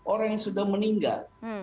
orang yang sudah meninggal